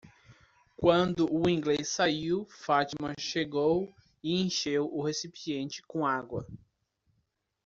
Quando o inglês saiu, Fátima chegou e encheu o recipiente com água.